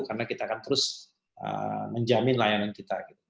karena kita akan terus menjamin layanan kita